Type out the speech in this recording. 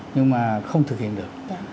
nhưng mà không thực hiện được